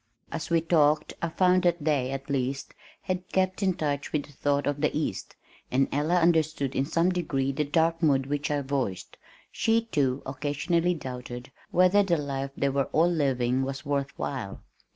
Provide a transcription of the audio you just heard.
As we talked, I found that they, at least, had kept in touch with the thought of the east, and Ella understood in some degree the dark mood which I voiced. She, too, occasionally doubted whether the life they were all living was worth while.